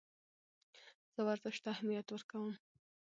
زه ورزش ته اهمیت ورکوم.